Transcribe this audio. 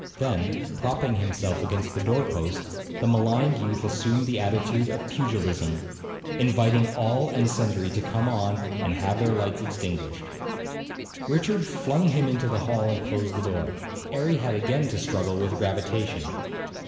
Then, propping himself against the door post, the maligned youth assumed the attitude of pugilism, inviting all and sundry to come on and have their lights extinguished. Richard flung him into the hall and closed the door. 'Arry had again to struggle with gravitation.